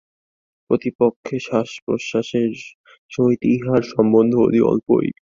প্রকৃতপক্ষে শ্বাসপ্রশ্বাসের সহিত ইহার সম্বন্ধ অতি অল্পই।